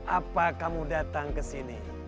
apa kamu datang ke sini